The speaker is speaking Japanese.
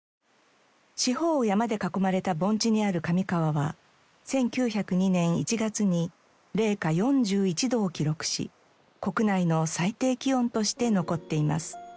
四方を山で囲まれた盆地にある上川は１９０２年１月に零下４１度を記録し国内の最低気温として残っています。